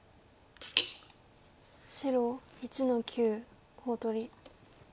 白１の九コウ取り。